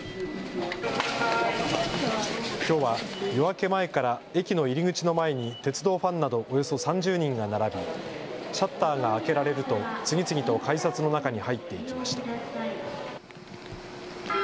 きょうは夜明け前から駅の入り口の前に鉄道ファンなどおよそ３０人が並びシャッターが開けられると次々と改札の中に入っていきました。